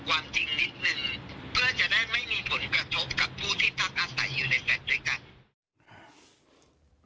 เพื่อจะได้ไม่มีผลประชบกับผู้ที่พักอาศัยอยู่ในแฟลต์ด้วยกัน